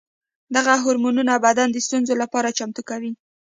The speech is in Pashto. دغه هورمونونه بدن د ستونزو لپاره چمتو کوي.